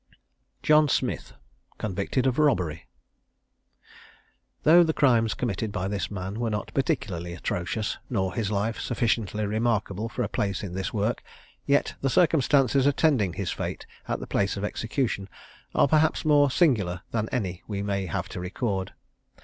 JOHN SMITH. CONVICTED OF ROBBERY. Though the crimes committed by this man were not particularly atrocious, nor his life sufficiently remarkable for a place in this work, yet the circumstances attending his fate at the place of execution are perhaps more singular than any we may have to record.